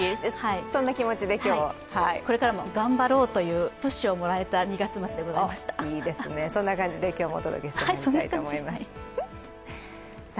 これからも頑張ろうというプッシュをもらえた２月末でございましたいいですね、そんな感じで今日もお届けしてまいりたいと思います。